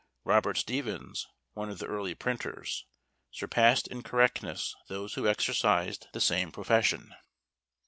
Robert Stephens, one of the early printers, surpassed in correctness those who exercised the same profession.